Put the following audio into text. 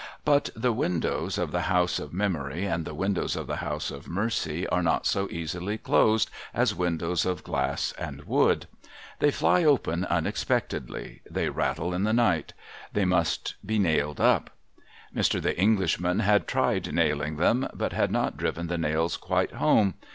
But the windows of the house of Memory, and the windows of the house of Mercy, are not so easily closed as windows of glass and wood. They fly open unexpectedly ; they rattle in the night ; they must be nailed up. Mr. The Englishman had tried nailing them, but had not driven the nails quite home.